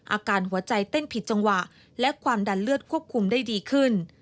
อาการหัวใจเต้นผิดจังหวะและความดันเลือดควบคุมได้ดีขึ้น